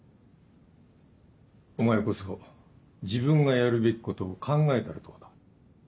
お前こそ自分がやるべきことを考えたらどうだ？